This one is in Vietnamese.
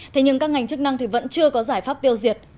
thế nhưng các ngành chức năng vẫn chưa có giải pháp tiêu diệt